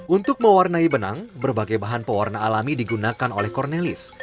untuk mewarnai benang berbagai bahan pewarna alami digunakan oleh cornelis